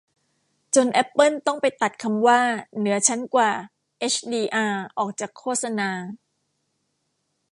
จนแอปเปิลต้องไปตัดคำว่า เหนือชั้นกว่าเฮชดีอาร์ ออกจากโฆษณา